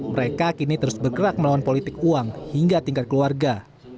mereka kini terus bergerak melawan politik uang hingga tingkat keluarga